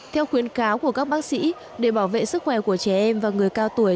theo khuyến cáo của các bác sĩ để bảo vệ sức khỏe của trẻ em và người cao tuổi